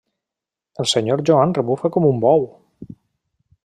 El senyor Joan rebufa com un bou.